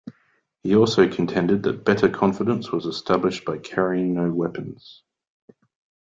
He also contended that better confidence was established by carrying no weapons.